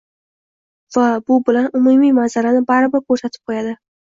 va bu bilan umumiy manzarani baribir ko‘rsatib qo‘yadi